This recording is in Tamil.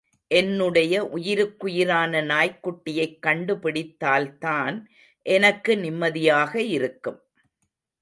என்னுடைய உயிருக்குயிரான நாய்க்குட்டியைக் கண்டுபிடித்தால்தான் எனக்கு நிம்மதியாக இருக்கும்.